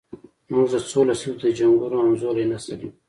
موږ د څو لسیزو د جنګونو همزولی نسل یو.